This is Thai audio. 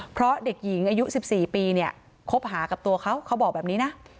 เพราะเด็กหญิงอายุ๑๔ปีเนี่ยคบหากับตัวเขาเขาบอกแบบนี้นะ